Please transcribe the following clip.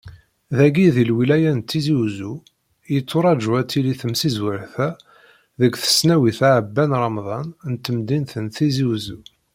Dagi di lwilaya n Tizi Uzzu, yetturaǧu ad tili temsizwert-a deg tesnawit Ɛebban Remḍan n temdint n Tizi Uzzu.